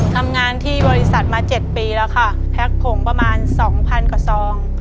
ทำงานที่บริษัทมา๗ปีแล้วค่ะแพ็คผงประมาณสองพันกว่าซอง